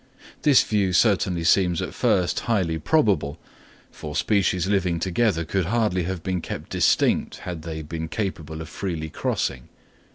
This view certainly seems at first highly probable, for species living together could hardly have been kept distinct had they been capable of freely crossing.